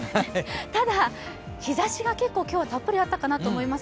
ただ、日差しが結構今日はたっぷりあったかなと思います。